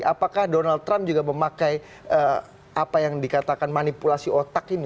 apakah donald trump juga memakai apa yang dikatakan manipulasi otak ini